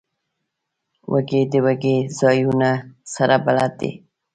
وزې د دوږی ځایونو سره بلد دي